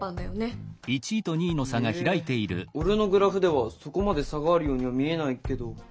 え俺のグラフではそこまで差があるようには見えないけど。